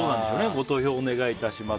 ご投票お願いします。